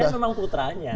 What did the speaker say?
dan memang putranya